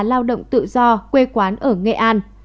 lao động tự do quê quán ở nghệ an